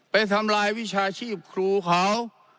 ทำลายวิชาชีพครูเขา